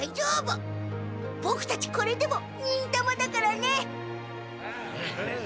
ボクたちこれでも忍たまだからね。